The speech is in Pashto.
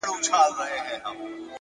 چي ټوله ورځ ستا د مخ لمر ته ناست وي!